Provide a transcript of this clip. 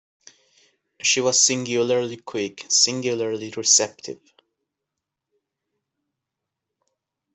She was singularly quick, singularly receptive.